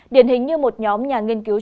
điển hình như một nhóm nhà nghiên cứu trung quốc